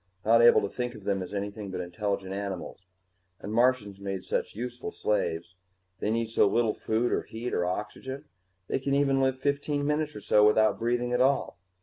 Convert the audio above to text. Not able to think of them as anything but intelligent animals. And Martians made such useful slaves they need so little food or heat or oxygen, they can even live fifteen minutes or so without breathing at all.